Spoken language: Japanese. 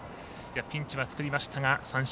ピンチは作りましたが三振。